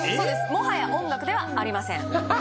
もはや音楽ではありませんははは